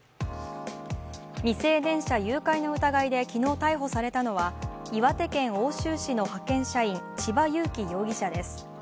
未成年者誘拐の疑いで昨日、逮捕されたのは岩手県奥州市の派遣社員・千葉裕生容疑者です。